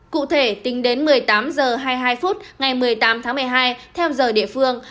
cụ thể tính đến một mươi tám h hai mươi hai phút ngày một mươi tám tháng một mươi hai theo giờ địa phương